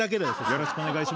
よろしくお願いします。